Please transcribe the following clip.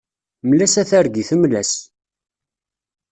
Mmel-as a targit, mmel-as.